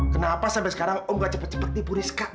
kenapa sampai sekarang om nggak cepat cepat dipuriskan